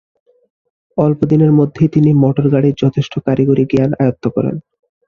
অল্প দিনের মধ্যেই তিনি মোটর-গাড়ীর যথেষ্ট কারিগরি জ্ঞান আয়ত্ত করেন।